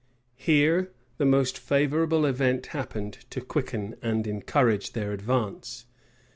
Here the most favorable event happened to quicken and encourage their advance.